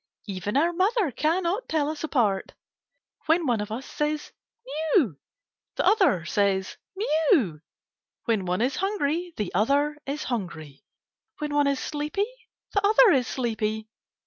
Even our mother cannot tell us apart. When one of us says "Mew!" the other says "Mew!" When one is hungry, the other is hungry. When one is sleepy, the other is sleepy.